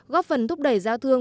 góp phần thúc đẩy giao thức